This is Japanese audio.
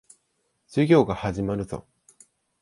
授業が始まるぞ。